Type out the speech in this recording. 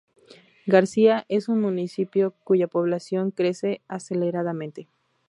García es un municipio cuya población crece aceleradamente.